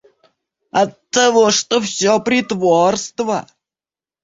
Оттого что всё притворство!